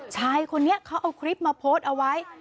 ชายคนนี้เขาเอาคลิปมาโพสต์เอาไว้